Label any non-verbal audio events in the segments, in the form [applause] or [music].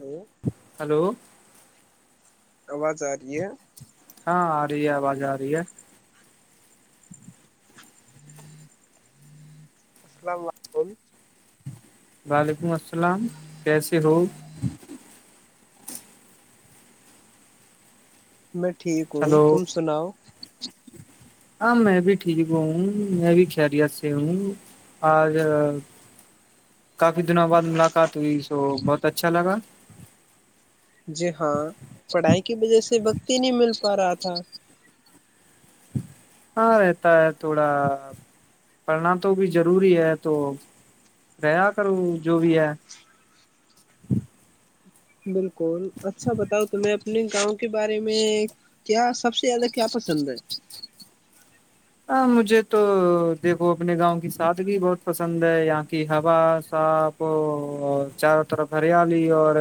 hello hello آواز آ رہی ہے جا رہی ہے [unintelligible] وعلیکم السلام کیسے ہو میں ٹھیک ہوں ہلو تم سناؤ ہاں میں بھی ٹھیک ہ ہوں میں بھی خیریت سے ہوں آج کافی دنوں بعد ملاقات ہوئی سو بہت اچھا لگا جی ہاں پڑھائی کی وجہ سے وقت ہی نہیں مل پا رہا تھا تھا ہاں رہتا ہے تھوڑا پڑھنا تو بھی ضروری ہے تو رہیا کروں جو بھی ہے بالکل اچھا بتاؤ تمہیں اپنے گاؤں کے بارے میں کیا سب سے زیادہ کیا پسند ہے ہاں مجھے تو دیکھو اپنے گاؤں کی سادگی بہت پسند ہے یہاں کی ہوا صاف چاروں طرف ہریالی اور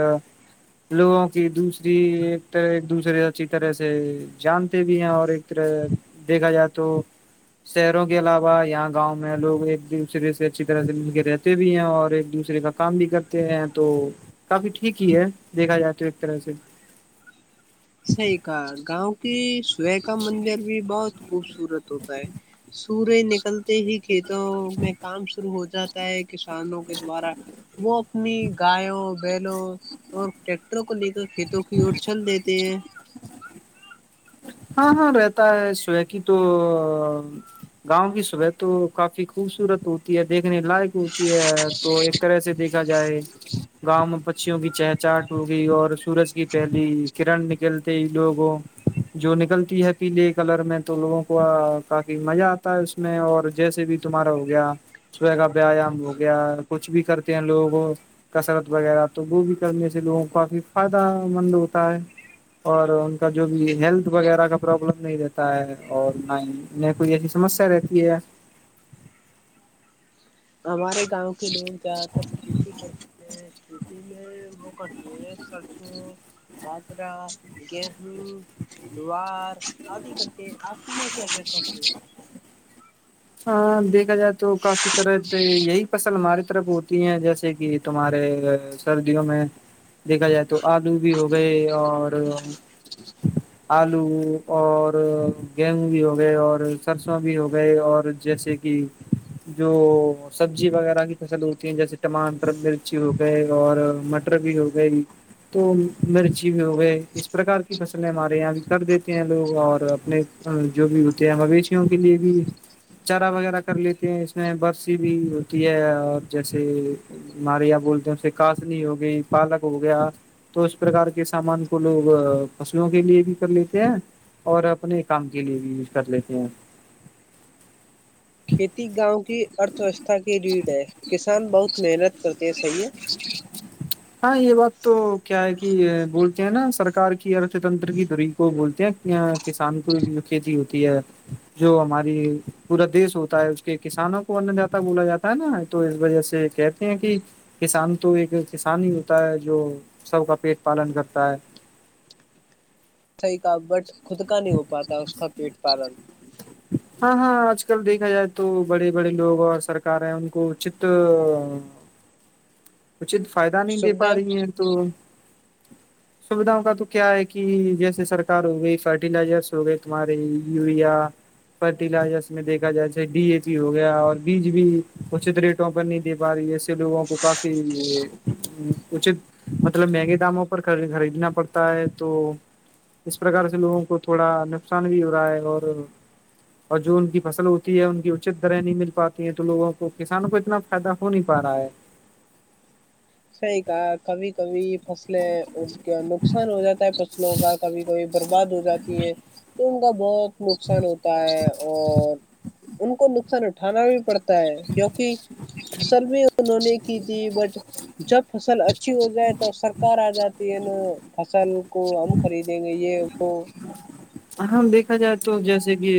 لوگوں کی دوسری ایک طرح ایک دوسرے اچھی طرح سے جانتے بھی ہیں اور ایک طرح دیکھا جائے تو شہروں کے علاوہ یہاں گاؤں میں لوگ ایک دوسرے سے اچھی طرح سے مل کے رہتے بھی ہیں اور ایک دوسرے کا کام بھی کرتے ہیں تو کافی ٹھیک ہی ہے دیکھا جات تو ایک طرح سے صحی کہا گاؤں کی س کا مندر بھی بہت خوبصورت ہوتا ہے سورج نکلتے ہی کھیتوں میں کام شرو ہو جائے جاتا ہے کسانوں کے دوارا وہ اپنی گیوں بیلوں اور ٹریکٹروں کو لے کر کھیتوں کی اور چل دیتے ت ہاں ہاں رہتا ہے صبح کی تو گاؤں کی صبح تو کافی خوبصورت ہوتی ہے دیکھنے لائق ہوتی ہے تو ایک طرح سے دیکھا جائے گاؤں میں پچیوں کی چہ چاہٹ ہو گئی اور سورج کی پہلی کرن نکلتے لوگوں جو نکلتی ہے پیلے کلر میں تو لوگوں کو کافی مزہ آتا ہے اس میں اور جیسے بھی تمہارا ہو گیا س کا ویایام ہو گیا کچھ بھی کرتے ہیں لوگوں کسرت وغیرہ تو وہ بھی کرنے سے لوگوں کو کافی فائدہ مند ہوتا ہے اور ان کا جو بھی ہیلتھ وغیرہ کا پرابلم نہیں رہتا ہے اور نہ کوئی ایسی سمسیا رہتی ہے ہمارے گاؤں کے لوگ زیادہ تر کھیتی کرتے ہیں د میں وہ ڈس خرچ بطرہ گیہوں دووار آدی کر کے آ میں کیا کرتے ہے ہاں دیکھا جائے تو کافی طرح سے یہی فصل ہماراری طرف ہوتی ہیں جیسے کہ تمہارے سردیوں میں دیکھا جائے تو آلو بھی ہو گئے اور آلو اور گیہوں بھی ہو گئے اور سرسوں بھی ہو گئے اور جیسے کہ جو سبزی وغیرہ کی فصل ہوتی ہے جیسے ٹماٹر مرچی ہو گئے اور مٹر بھی ہو گئی تو مرچی بھی ہو گئے اس پرکار کی فصلیں ہمارے یہاں بھی کر دیتے ہیں لوگ اور اپنے جو بھی ہوتے ہیں مویشیوں کے لیے بھی چارا وغیرہ کر لیتے ہیں اس میں برسی بھی ہوتی ہے اور جیسے ناریا بولتے ہیں اسے کاسنی ہو گئی پالک ہو گیا تو اس پرکار کے سامان کو لوگ فصلوں کے لیے بھی کر لیتے ہیں اور اپنے کام کے لیے بھی کر لیتے ہیں کھیتی گاؤں کی ارتھ ویوستھا کی ریڑھ ہے کسان بہت محنت کرتے صیح ہاں یہ بات تو کیا ہے کہ بولتے ہیں نا سرکار کی ارھ تنتر کی دری کو بولتے ہیں کسان کو جو کھیتی ہوتی ہے جو ہماری پورا دیش ہوتا ہے اس کے کسانوں کو اندا بولا جاتا ہے نا تو اس وجہ سے کہتے ہیں کہ کسان تو ایک کسان ہی ہوتا ہے جو سب کا پیٹ پالن کرتا ہے ایسحی کا بٹ خودک نہیں ہو پاتا اس کا پیٹ پالن ہاں ہاں آج کل دیکھا جائے تو بڑے بڑے لوگ اور سرکاریں ان کو اچت چ فائدہ نہیں دے پا سویدھائیں رہی ہیں تو سویدھاؤ کا تو کیا ہے کہ جیسے سرکار ہو گئی فرٹیلائزرس ہو گئے تمہارے یوریا فرٹیلائزرس دیکھا جائے ج ڈی اے پی ہو گیا اور بیج بھی اچت ریٹوں پر نہیں دے پا رہی اس سے لوگوں کو کافی اچت مطلب مہنگے داموں پر خریدنا پڑتا ہے تو اس پرکار سے لوگوں کو تھوڑا نقصان بھی ہو رہا ہے اور اور جو ان کی فصل ہوتی ہے ان کی اچت درح نہیں مل پاتی ہیں تو لوگوں کو کسانوں کو اتنا فائدہ ہو نہیں پا رہا ہے صحیح کہا کبھی کبھی فصلیں کا نقصان ہو جاتا ہے فصلوں کا کبھی کبھی برباد ہو جاتی ہیں تو کا بہت نقصان ہوتا ہے اور ان کو نقصان اٹھانا بھی پڑتا کیونکہ فصل بھی انہوں نے کی تھی بٹ جب فصل اچھی ہو جائے تو سرکار آ جاتی ہے نا فصل کو ہم خریدیں گے یہ دو ہاں دیکھا جائے تو جیسے کہ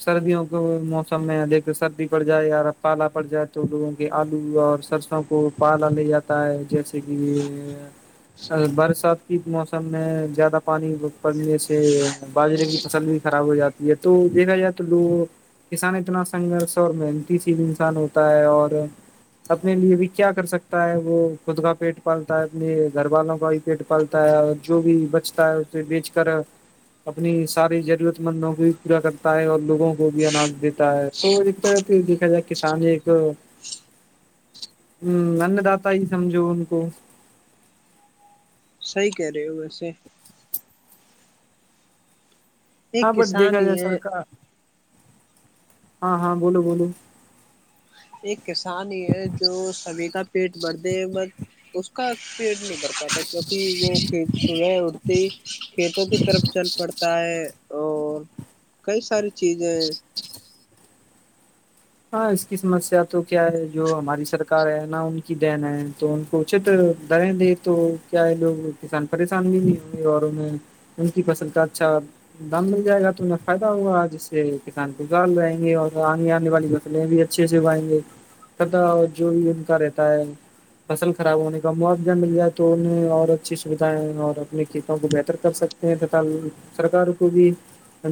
سردیوں کو موسم میں دیکھ سردی پڑ جائے پالا پڑ جائے تو لوگوں کے آلو اور سرسوں کو پالا لے جاتا ہے جیسے کہ برسات کی موسم میں زیادہ پانی پڑنے سے باجرے کی فصل بھی خراب ہو جاتی ہے تو دیکھا جائے تو لوگ کسان اتنا سنگھرش اور محنتی سیل انسان ہوتا ہے اور اپنے لیے بھی کیا کر سکتا ہے وہ خود کا پیٹ پالتا ہے اپنے گھر والوں کا بھی پیٹ پالتا ہے اور جو بھی بچتا ہے اسے بیچ کر اپنی ساری ضرورت مندوں کو بھی پورا کرتا ہے اور لوگوں کو بھی آج دیتا ہے تو دیکھا جائے کسان ایک ا ان دا ہی سمجھو ان کو صحی کہہ رہے ہو ویسے ایک ہاں بٹ کسان دیکھا جائے ہی سر ہے کا ہاں ہاں بولو بولو ایک کسان ہی ہے جو سبھی کا پیٹ بھرتے ہیں بس اس کا پی نہیں بھر پات تھا کیونکہ وہ کھیت سبح تو کھیتوں کی طرف چل پڑتا ہے اور کئی ساری چیزیں ہاں اس کی سمسیا تو کیا ہے جو ہماری سرک ہے ن ان کی دین ہے تو ان کو اچت دریں دے تو کیا ہے لوگ کسان پریشان بھی نہیں ہوں گے اور انہیں ان کی فصل کا اچھا دام مل جائے گا تو انیں فائدہ ہوگا جس سے کسان گزار رہیں گے اور آگنے آنے والی فلیں بھی اچھے سے اگائیں گے تتا جو بھی ان کا رہتا ہے فصل خراب ہونے کا مووضہ مل جائے تو انہیں اور اچھی سیدھائیں اور اپنے کھیتوں کو بہتر کر سکتے ہیں تتا سرکار کو بھی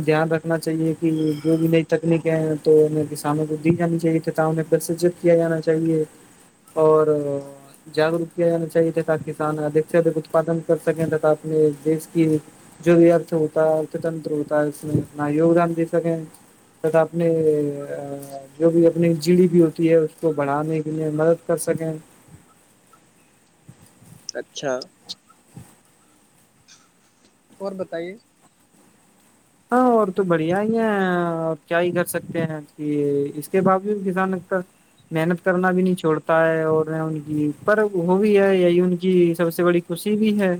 دھیان رکھنا چاہیے کہ جو بھی نئی تکنیکیں ہیں تو انہیں کسانوں کو دی جانی چاہیے ت انہیں پرسجت کیا جانا چاہیے اور جاگروک کیا جانا چاہیے تھاے ت کسان ادھ سے ادھک اتپادن کر سکیں تا اپنے دیش کی جو بھی ارتھ ہوتا ہے ارتھ تنتر ہوتا ہے اس میں اپنا یوگدان دے سکیں تا اپنے جو بھی اپنی جڑی بھی ہوتی ہے اس کو بڑھانے کے لیے مدد کر سکیں اچھا اور بتائیے ہاں اور تو بڑھیا ہی ہے آپ کیا ہی کر سکتے ہیں کہ اس کے باوجوود کسان کا محنت کرنا بھی نہیں چھوڑتا ہے اور ان کی پر وہ بھی ہے یہی ان کی سب سے بڑی خوشی بھی ہے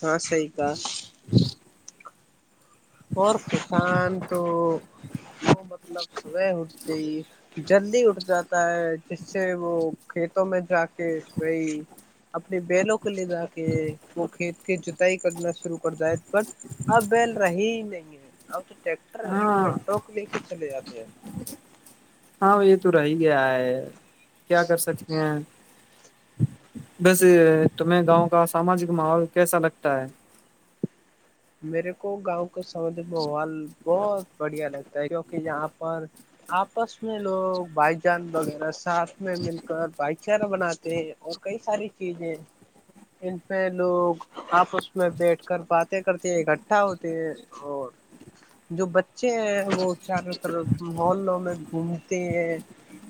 ہاں صحی کا اور کسان تو وہ مطلب س [unintelligible] جلدی اٹ جاتا ہے جس سے وہ کھیتوں میں جا کے وہی اپنی بیلوں ک لے جا کے وہکھے [unintelligible] کی جتائی کرنا شروع کر دائے بٹ اب بیل رہی دیں گ تو [unintelligible] ٹیکٹر ہے ہاں ٹیکٹروں کے لیے ک چلے جاتے ہیں [unintelligible] ہاں یہ تو رہ ہی گیا ہے [unintelligible] کیا کر سکتے ہیں بس تمہیں گاؤں کا ساماجک ماحول کیسا لگتا ہے میرے کو گاؤں کو سام د بوال بہت [unintelligible] بڑھیا لگتا ہے کیوںکہ یہاں پر آپس میں لوگ بھائی جان وغیرہ ساتھ میں مل کر بھائی چار [unintelligible] بناتے ہیں اور کئی ساری چیزیں ان پہ لوگ آپس میں بیٹھ کر باتیں کرتے [unintelligible] سے اکٹھا ہوتے ہیں اور [unintelligible] جو بچے ہیں [unintelligible] بت چاروں طرف مح میں گھوم [unintelligible] کہ [unintelligible]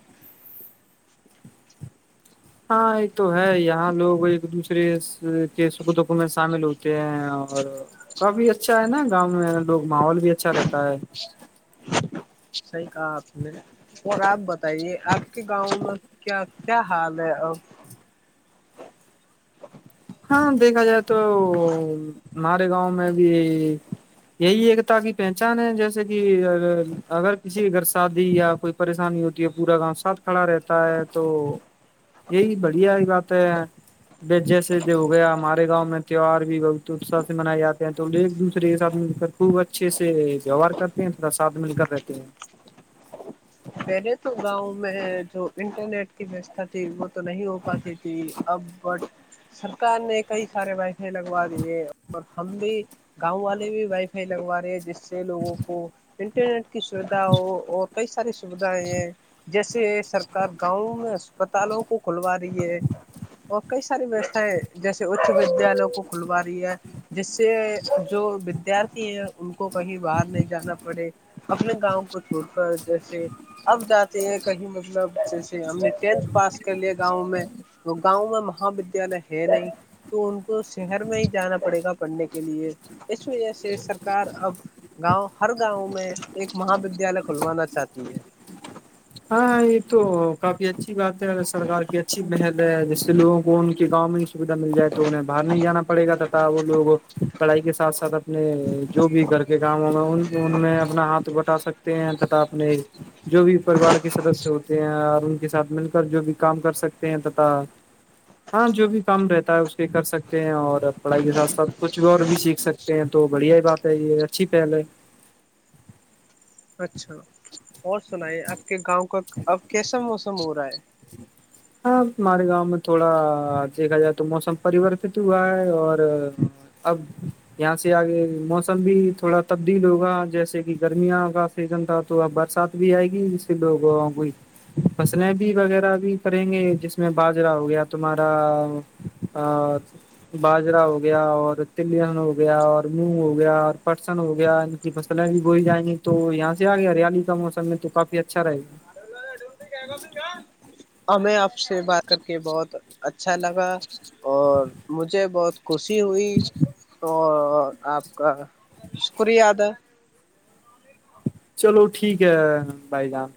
ہاں آ [unintelligible] تو ہے یہاں لوگ ایک دوسرے [unintelligible] ری کے سکھو دکھو میں شامل ہوتے ہیں اور کافی اچھا ہے نا گاؤں میں لوگ ماحول بھی اچھا رہتا ہے صحیح کہا آپ نے اور آپ بتائیے آپ کے گاؤں میں کیا کیا حال ہے اب ہاں دیکھا جائےا تو ہمارے گاؤں میں بھی یہی ایکتا کی پہچان ہے جیسے کہ کہ اگر کسی گھر سے شادی یا کوئی پریشانی ہوتی ہے پورا گاؤں ساتھ کھڑا رہتا ہے تو یہی بڑھیا ہی بات ہے جیسے جب ہو گیا ہمارے گاؤں میں تیوار بھی بہت اساہ سے منائے جاتے ہیں تو ایک دوسرے کے ساتھ مل کر خوب اچھے سے ویوہار کرتے ہیں تھوڑا ساتھ مل کر رہتے ہیں پہلے تو گاؤں میں جو انٹرنیٹ کی ویوستھا تھی وہ تو نہیں ہو پاتی تھی اب بٹ سرکار نے کئی سارے وائی فائی لگوا دیے اور ہم بھی گاؤں والے بھی وائی فائی لگوا رہے جس سے لوگوں کو انٹرنیٹ کی سویدھا ہو اور کئی ساریے سویدھا ہے یہ جیسے سرکار گاؤں میں اسپتالوں کو کھلوا رہی ہے اور کئی ساری ویوستھائیں جیسے اچ ودیالوں کو کھلوا رہی ہے جس سے جو ودیارتھی ہیں ان کو کہیں باہر نہیں جانا پڑے اپنے گاؤں کو چھوڑ کر جیسے اب جاتے ہیں کہیں مطلب جیسے ہم نے ٹینھ پاس کر لیا گاؤں میں تو گاؤں میں مہا ودیالیہ ہے نہیں تو ان کو شہر میں ہی جانا پڑے گا پڑھنے کے لیے اس وجہ سے سرکار اب گاؤں ہر گاؤں میں ایک مہا ودیالیہ کھلوانا چاہتی ہے ہاں ہاں یہ تو کافی [unintelligible] اچھی بات ہے ا سرار کی اچھی پہل ہے جس سے لوگوں کو ان کی گاؤں میں ہی سویدھا مل جائے تو انہیں باہر نہیں جانا پڑے گا تا وہ لوگ پڑھائی کے سھ ساتھ اپنے جو بھی گھر کے کام ہوں گے ان میں اپنا ہاتھ بٹا سکتے ہیں تا اپنے جو بھی پریوار کے سدسیہ ہوتے ہیں اور ان کے ساتھ مل کر جو بھی کام کر سکتے ہیں تتا ہاں جو بھی کام رہتا ہے اس پہ کر سکتے ہیں اور پڑھائی کے ساتھ ساتھ کچھ بھی اور بھی سیکھ سکتے ہیں تو بڑھیا ہی بات ہے یہ اچھی پہل ہے اچھا اور سنائی آپ کہ گاؤں کا اب کیسا موسم ہو رہا ہے ہاں مارے گاؤں میں تھوڑا دیکھا جائے تو موسم پریورت ہو ہوا ہے اور اب یہاں سے آگے موسم بھی تھوڑا تبدیل ہوگا جیسے کہ گرمیاں کا سیزن تھا تو اب برسات بھی آئے گی ج سے لوگ کوئی فصلیں بھی وغیرہ بھی کریں گے جس میں باجرا ہو گیا تمہارا باجرا ہو گیا اور تلن ہو گیا اور منگ ہو گیا اور پٹسن ہو گیا ان کی فصلیں بھی گول جائیں گی تو یہاں سے آگیا ہریالی کا موسم میں تو کافی اچھا رہے گا ہمیں آپ سے بات کر کے بہت اچا اچھا لگا اور مجھے بہت خوشی ہوئی اور اور آپ کا شکریہد ہے چلو ٹھیک ہے بھائی جان